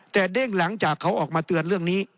แต่เด้งหลังจากเขาออกมาเตือนเรื่องนี้